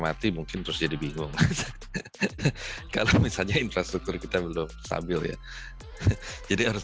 mati mungkin terus jadi bingung kalau misalnya infrastruktur kita belum stabil ya jadi harus